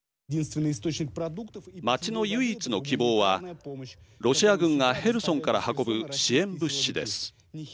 街の唯一の希望はロシア軍がヘルソンから運ぶ支援物資です。